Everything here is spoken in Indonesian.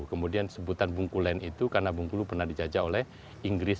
kemudian sebutan bungkulen itu karena bungkulu pernah dijajah oleh inggris